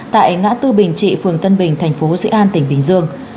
tại ngã tư bình trị phường tân bình thành phố sĩ an tỉnh bình dương